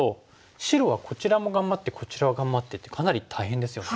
白はこちらも頑張ってこちらを頑張ってってかなり大変ですよね。